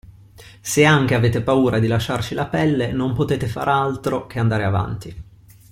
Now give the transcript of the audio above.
Se anche avete paura di lasciarci la pelle, non potete far altro che andare avanti.